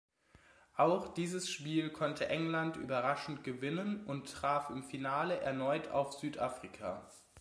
Auch dieses Spiel konnte England überraschend gewinnen und traf im Finale erneut auf Südafrika.